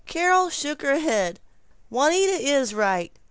Carol shook her head. "Juanita is right.